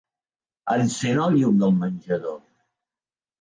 Encén el llum del menjador.